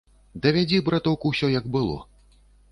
Давядзі, браток, усё, як было.